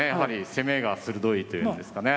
攻めが鋭いというんですかね。